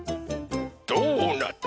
ドーナツ。